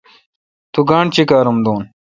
تو گانٹھ چیکّارام دون۔